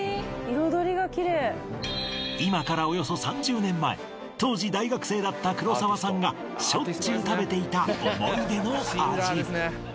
今からおよそ３０年前当時大学生だった黒沢さんがしょっちゅう食べていた思い出の味